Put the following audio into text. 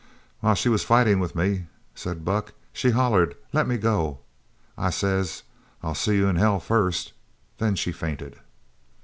"While she was fightin' with me," said Buck, "she hollered: 'Let me go!' I says: 'I'll see you in hell first!' Then she fainted."